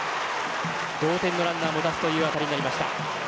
同点のランナーも出すという当たりになりました。